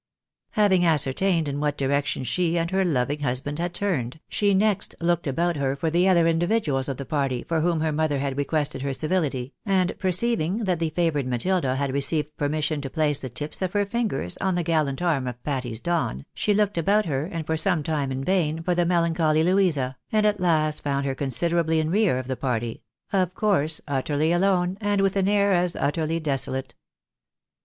Having ascertained in what direction she and her loving hus band had turned, she next looked about her for the other individuals of the party for whom her mother had requested her civihty, and perceiving that the favoured Matilda had received permission to place the tips of her fingers on the gallant arm of Patty's Don, she looked about her, and for some time in vain, for the melancholy Louisa, and at last found her considerably in rear of the party — of course, utterly alone, and with an air as utterly desolate.